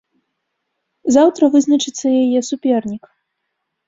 Заўтра вызначыцца яе супернік.